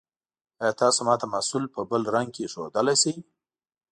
ایا تاسو ما ته محصول په بل رنګ کې ښودلی شئ؟